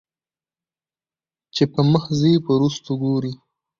چې پۀ مخ ځې په وروستو ګورې